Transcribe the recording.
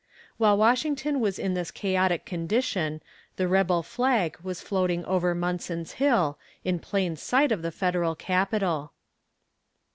While Washington was in this chaotic condition, the rebel flag was floating over Munson's Hill, in plain sight of the Federal Capital.